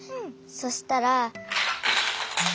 そしたら。